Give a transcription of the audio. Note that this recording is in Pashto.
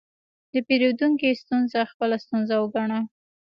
د پیرودونکي ستونزه خپله ستونزه وګڼه.